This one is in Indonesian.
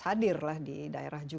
ya harus tapi mau tidak mau ya harus